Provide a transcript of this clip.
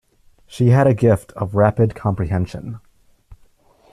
She had a gift of rapid comprehension.